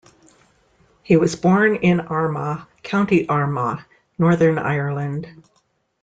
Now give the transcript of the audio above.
He was born in Armagh, County Armagh, Northern Ireland.